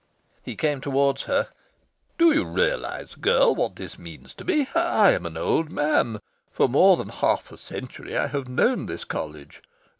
He came towards her. "Do you realise, girl, what this means to me? I am an old man. For more than half a century I have known this College.